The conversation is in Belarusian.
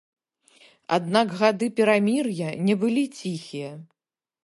Аднак гады перамір'я не былі ціхія.